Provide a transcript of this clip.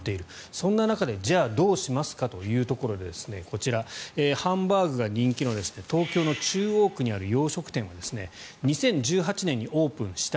そんな中でじゃあ、どうしますかというところでこちら、ハンバーグが人気の東京の中央区にある洋食店は２０１８年にオープンした。